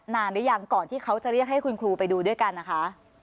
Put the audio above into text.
หรือยังก่อนที่เขาจะเรียกให้คุณครูไปดูด้วยกันนะคะ